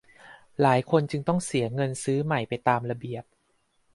หลายคนจึงต้องเสียเงินซื้อใหม่ไปตามระเบียบ